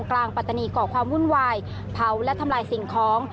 กอบความวุ่นวายเผาและทำลายสิ่งคล้อ